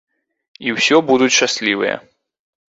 І усё будуць шчаслівыя.